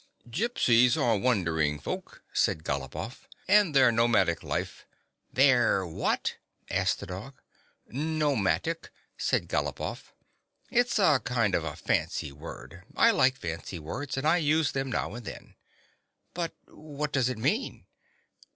" Gypsies are wandering folk/' said Galopoff, and their nomadic life —"" Their what ?" asked the dog. " Nomadic," said Galopoff. " It is a kind of a fancy word. I like fancy words, and I use them now and then." " But what does it mean